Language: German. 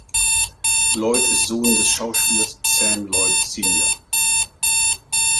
Lloyd ist Sohn des Schauspielers Sam Lloyd Sr.